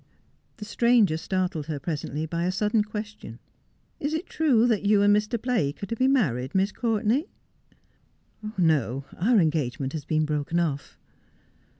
The stranger startled her presently by a sudden question. ' Is it true that you and Mr. Blake are to be married, Miss Courtenay ']'' No. Our engagement has been broken off.'